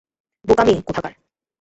বোকা মেয়ে কোথাকার!